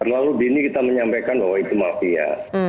lalu di sini kita menyampaikan bahwa itu mafia